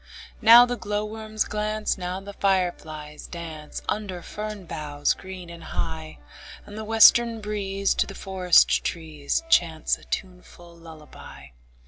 Now the glowworms glance, Now the fireflies dance, Under fern boughs green and high; And the western breeze To the forest trees Chants a tuneful lullaby.